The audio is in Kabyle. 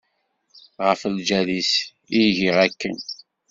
Ɣef lǧal-is i giɣ akken.